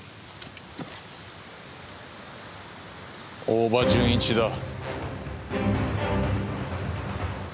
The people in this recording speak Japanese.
大庭純一だ。